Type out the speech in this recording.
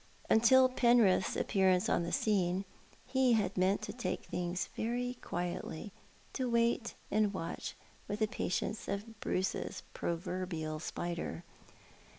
Until Penrith's appearance on the scene he had meant to take things very quietly— to wait and watch with the patience of Bruce's proverbial spider.